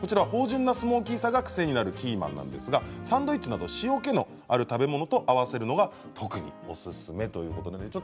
芳じゅんなスモーキーさが癖になるキーマンなんですがサンドイッチなど、塩けのある食べ物と合わせるのが特におすすめということです。